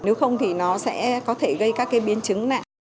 nếu không thì nó sẽ có thể gây các biến chứng nạn